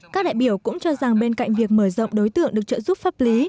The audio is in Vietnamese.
các đại biểu cũng cho rằng bên cạnh việc mở rộng đối tượng được trợ giúp pháp lý